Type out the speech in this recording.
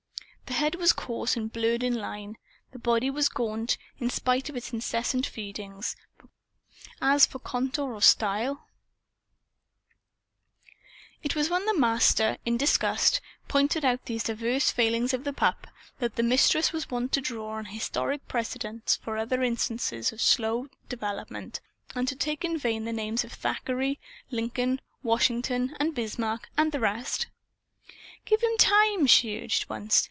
The head was coarse and blurred in line. The body was gaunt, in spite of its incessant feedings. As for contour or style It was when the Master, in disgust, pointed out these diverse failings of the pup, that the Mistress was wont to draw on historic precedent for other instances of slow development, and to take in vain the names of Thackeray, Lincoln, Washington and Bismarck and the rest. "Give him time!" she urged once.